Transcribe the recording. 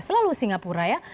selalu singapura ya